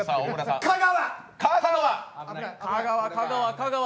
香川！